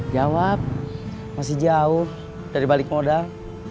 jawab masih jauh dari balik modal